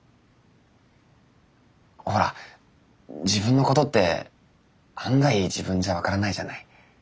ほら自分のことって案外自分じゃ分からないじゃない？